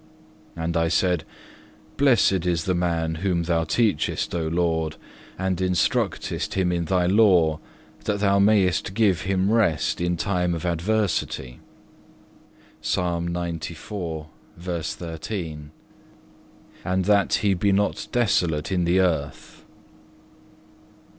2. And I said, "Blessed is the man whom Thou teachest, O Lord, and instructest him in Thy law, that Thou mayest give him rest in time of adversity,(2) and that he be not desolate in the earth."